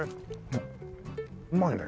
うまいね。